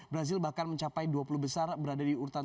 brazil bahkan mencapai dua puluh besar berada di urutan